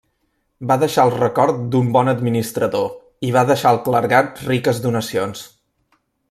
Va deixar el record d'un bon administrador, i va deixar al clergat riques donacions.